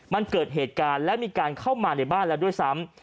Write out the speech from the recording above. มันเกิดเหตุการณ์และมีการเข้ามาในบ้านแล้วด้วยซ้ำ